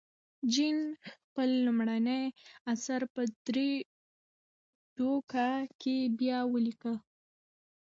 جین خپل لومړنی اثر په درې ټوکه کې بیا ولیکه.